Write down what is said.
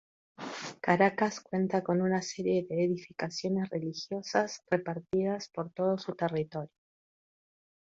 Caracas cuenta con una serie de edificaciones religiosas repartidas por todo su territorio.